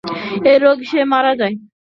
ওই রোগেই সে মারা যায়।